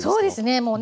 もうね